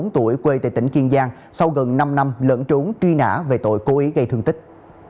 bốn mươi tuổi quê tại tỉnh kiên giang sau gần năm năm lẫn trốn truy nã về tội cố ý gây thương tích